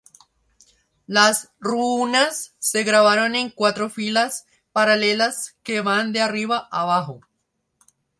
Las runas se grabaron en cuatro filas paralelas que van de arriba a abajo.